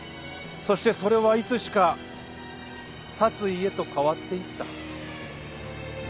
そしてそれはいつしか殺意へと変わっていった。